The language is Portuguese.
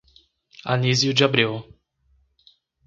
Anísio de Abreu